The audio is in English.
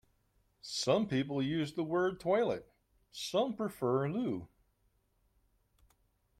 Some people use the word toilet, some prefer loo